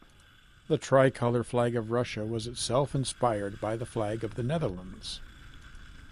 The tricolour flag of Russia was itself inspired by the flag of the Netherlands.